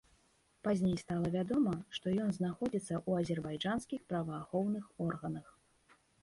Пазней стала вядома, што ён знаходзіцца ў азербайджанскіх праваахоўных органах.